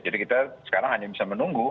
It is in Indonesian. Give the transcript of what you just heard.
jadi kita sekarang hanya bisa menunggu